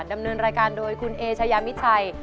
ดำเนินรายการโดยคุณเอชายามิดชัย